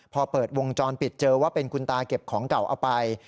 พอเปิดวงจรปิดเจอว่าเป็นคุณตาเก็บของเก่าเอาไป